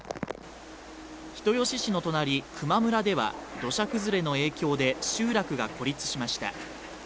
人吉市の隣球磨村では土砂崩れの影響で集落が孤立しました。